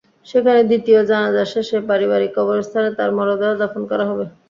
সেখানে দ্বিতীয় জানাজা শেষে পারিবারিক কবরস্থানে তাঁর মরদেহ দাফন করা হবে।